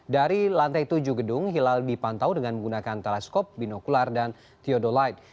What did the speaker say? dari lantai tujuh gedung hilal dipantau dengan menggunakan teleskop binokular dan theodolite